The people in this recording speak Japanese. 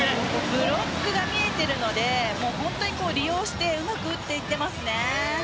ブロックが見えているので利用してうまく打っていってます。